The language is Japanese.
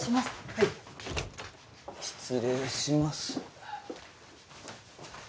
はい失礼します